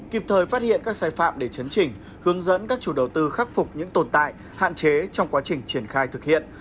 kịp thời phát hiện các sai phạm để chấn chỉnh hướng dẫn các chủ đầu tư khắc phục những tồn tại hạn chế trong quá trình triển khai thực hiện